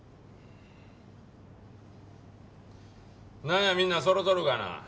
なんやみんなそろうとるがな。